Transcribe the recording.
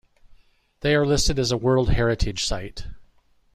They are listed as a World Heritage Site.